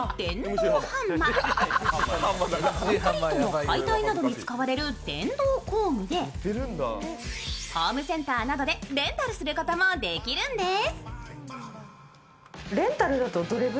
コンクリートの解体などに使われる電動工具でホームセンターなどでレンタルすることもできるんです。